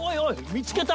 見つけた！